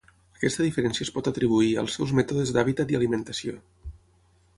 Aquesta diferència es pot atribuir als seus mètodes d'hàbitat i alimentació.